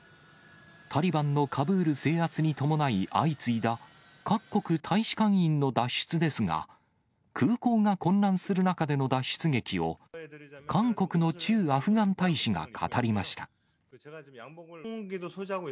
タリバンのカブール制圧に伴い相次いだ各国大使館員の脱出ですが、空港が混乱する中での脱出劇を、韓国の駐アフガン大使が語りました。